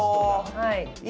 はい。